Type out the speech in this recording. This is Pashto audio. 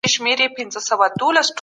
ککړه هوا د خلګو روغتیا ګواښي.